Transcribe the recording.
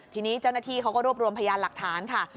ทีนี้เจ้าหน้าที่เขาก็รวบรวมพยานหลักฐานค่ะ